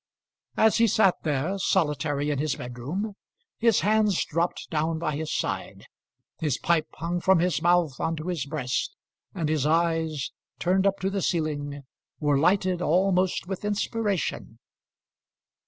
As he sat there, solitary in his bedroom, his hands dropped down by his side, his pipe hung from his mouth on to his breast, and his eyes, turned up to the ceiling, were lighted almost with inspiration.